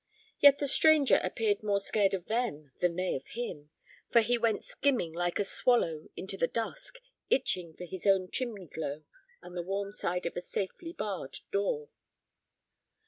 Yet the stranger appeared more scared of them than they of him, for he went skimming like a swallow into the dusk, itching for his own chimney glow and the warm side of a safely barred door.